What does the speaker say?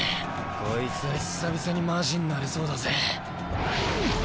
こいつは久々にマジになれそうだぜ。